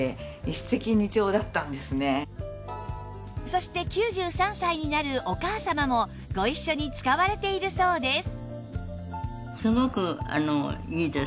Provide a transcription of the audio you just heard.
そして９３歳になるお母様もご一緒に使われているそうです